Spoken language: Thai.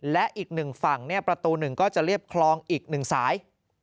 และอีกหนึ่งฝั่งประตู๑ก็จะเรียบคลองอีก๑สาย